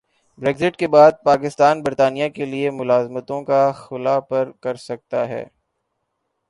Brexit کے بعد پاکستان برطانیہ کیلئے ملازمتوں کا خلا پر کرسکتا ہے